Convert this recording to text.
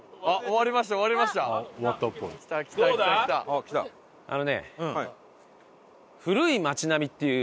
あのね。